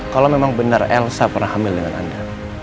kalau memang benar elsa pernah hamil dengan anda